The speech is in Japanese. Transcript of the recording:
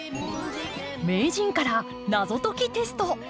名人から謎解きテスト。